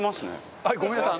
中丸：ごめんなさい。